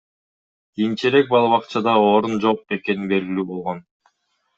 Кийинчерээк бала бакчада орун жок экени белгилүү болгон.